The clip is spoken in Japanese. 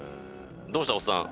どうしたおっさん